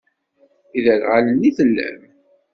D iderɣalen i tellam?